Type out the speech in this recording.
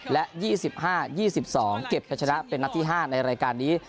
และ๒๕๒๒เก็บจะชนะเป็นนัดที่๕ในรายการนี้